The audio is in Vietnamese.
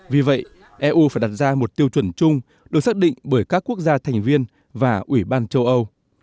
vì vậy eu phải đặt ra một tiêu chuẩn chung được xác định bởi các quốc gia thành viên và ủy ban châu âu